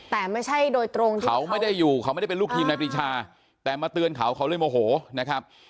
แต่ไม่ใช่โดยตรงค่ะเขาไม่ได้อยู่เขาไม่ได้เป็นลูกทีมนายปริชาแต่มาเตือนเขาเขาเลยโมโหนะครับ